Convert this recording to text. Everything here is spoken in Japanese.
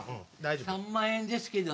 ３万円ですけど。